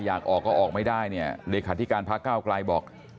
อยากออกก็ออกไม่ได้เนี่ยเลขาธิการพระเก้าไกลบอก